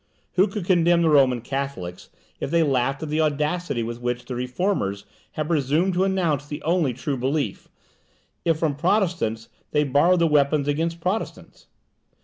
Who could condemn the Roman Catholics, if they laughed at the audacity with which the Reformers had presumed to announce the only true belief? if from Protestants they borrowed the weapons against Protestants?